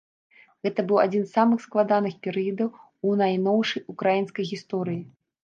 Гэта быў адзін з самых складаных перыядаў у найноўшай украінскай гісторыі.